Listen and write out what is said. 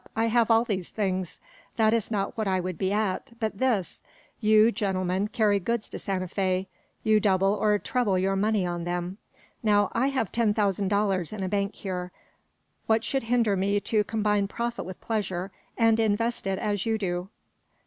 I have all these things. That is not what I would be at, but this: You, gentlemen, carry goods to Santa Fe. You double or treble your money on them. Now, I have ten thousand dollars in a bank here. What should hinder me to combine profit with pleasure, and invest it as you do?"